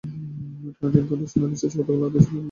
টানা তিন দিন শুনানি শেষে গতকাল আদেশের দিন নির্ধারণ করেন আদালত।